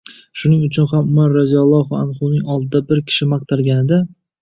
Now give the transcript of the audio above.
Shuning uchun ham Umar roziyallohu anhuning oldida bir kishi maqtalganida: